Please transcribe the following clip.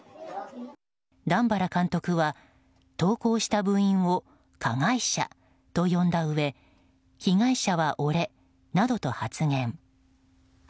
段原監督は投稿した部員を加害者と呼んだうえ被害者は俺などと発言。